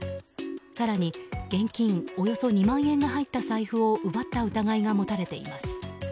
更に現金およそ２万円が入った財布を奪った疑いが持たれています。